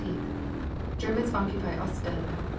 Germans occupy Ostend.